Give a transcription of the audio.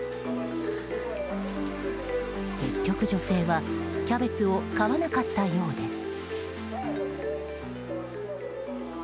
結局、女性はキャベツを買わなかったようです。